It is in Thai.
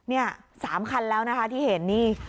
นี่๓คันล่ะที่เห็นนี่